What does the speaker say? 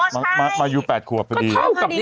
อ๋อใช่มายุ๘ขวบพอดี